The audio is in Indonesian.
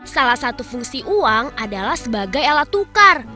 salah satu fungsi uang adalah sebagai alat tukar